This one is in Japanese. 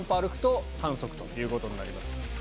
ということになります。